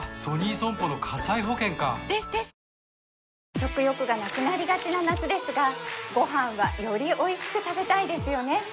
食欲がなくなりがちな夏ですがごはんはよりおいしく食べたいですよね